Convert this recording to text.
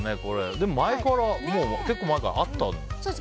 でも結構前からあったんですね。